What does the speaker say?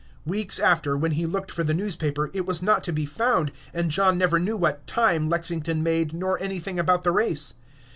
Weeks after, when he looked for the newspaper, it was not to be found, and John never knew what "time" Lexington made nor anything about the race.